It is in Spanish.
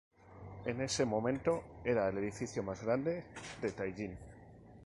En ese momento, era el edificio más grande de Tallin.